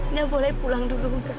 nggak boleh pulang dulu nggak